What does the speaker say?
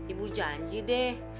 ibu janji deh